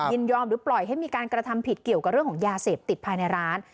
ยินยอมหรือปล่อยให้มีการกระทำผิดเกี่ยวกับเรื่องของยาเสพติดภายในร้าน